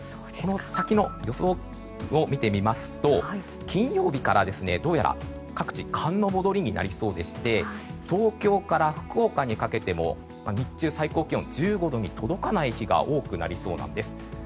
この先の予想を見てみますと金曜日から各地寒の戻りになりそうでして東京から福岡にかけても日中、最高気温１５度に届かない日が多くなりそうなんです。